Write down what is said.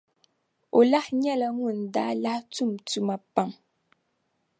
O lahi nyɛla ŋun daa lahi tum tuma pam.